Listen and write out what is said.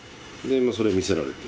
それ見せられて。